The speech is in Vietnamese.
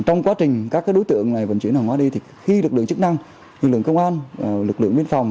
trong quá trình các đối tượng này vận chuyển hàng hóa đi thì khi lực lượng chức năng lực lượng công an lực lượng biên phòng